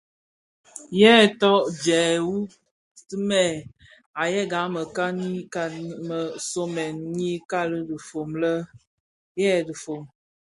Yèè thot djehoutimès a yëga mekanikani më somèn nyi kali dhifom le: eed: dhifom.